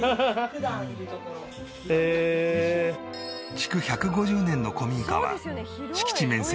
築１５０年の古民家は敷地面積